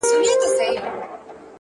• په لومړۍ ورځ چي په کار پسي روان سو ,